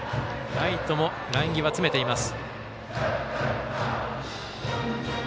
ライトもライン際、詰めています。